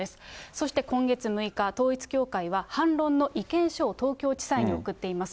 そして今月６日、統一教会は反論の意見書を東京地裁に送っています。